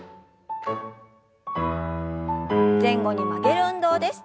前後に曲げる運動です。